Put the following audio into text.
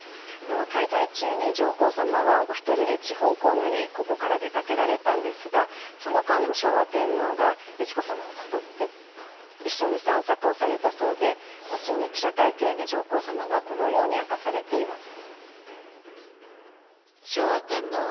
滞在中に上皇さまはお一人で地方公務に出かけられたんですがその間も昭和天皇が美智子さまを誘って一緒に散策をされたそうで後に、記者会見で上皇さまがこのように明かされています。